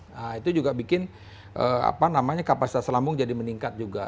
nah itu juga bikin kapasitas lambung jadi meningkat juga